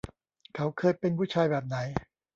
เขาเคยเป็นผู้ชายแบบไหน